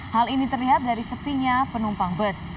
hal ini terlihat dari sepinya penumpang bus